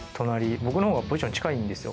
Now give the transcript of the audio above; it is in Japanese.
僕のほうがポジション近いんですよ。